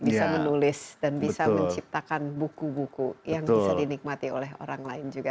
bisa menulis dan bisa menciptakan buku buku yang bisa dinikmati oleh orang lain juga